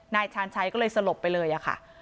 นายชาญชัยก็เลยสลบไปเลยค่ะ